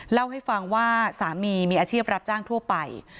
เล่าให้ฟังว่าสามีมีอาชีพรับจ้างทั่วไป